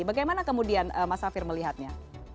bagaimana kemudian mas safir melihatnya